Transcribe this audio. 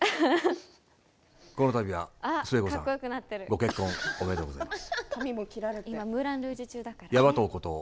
この度は、寿恵子さんご結婚おめでとうございます。